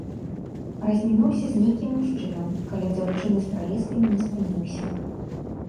Размінуўся з нейкім мужчынам, каля дзяўчыны з пралескамі не спыніўся.